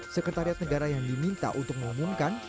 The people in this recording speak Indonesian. sekretariat negara yang diminta untuk mengumumkan